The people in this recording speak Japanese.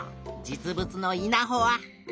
実物のいなほは。